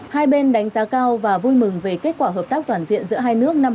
hai bên đánh giá cao và vui mừng về kết quả hợp tác toàn diện giữa hai nước năm hai nghìn một mươi ba